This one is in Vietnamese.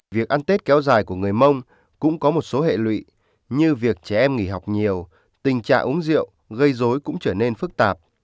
việc ăn tết kéo dài của người mông cũng có một số hệ lụy như việc trẻ em nghỉ học nhiều tình trạng uống rượu gây dối cũng trở nên phức tạp